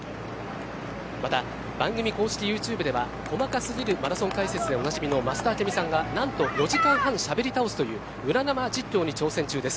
また番組公式ＹｏｕＴｕｂｅでは細かすぎるマラソン解説でもおなじみの増田明美さんがなんと４時間半しゃべり倒すという裏生実況に挑戦中です。